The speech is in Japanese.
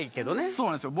そうなんですよ。